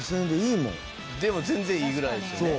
でも全然いいぐらいですよね。